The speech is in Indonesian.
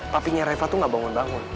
papinya reva tuh gak bangun bangun